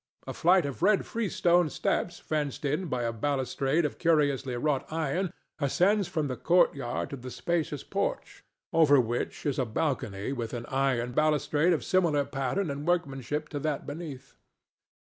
A flight of red freestone steps fenced in by a balustrade of curiously wrought iron ascends from the court yard to the spacious porch, over which is a balcony with an iron balustrade of similar pattern and workmanship to that beneath.